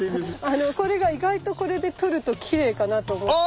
これが意外とこれで撮るときれいかなと思ったんで。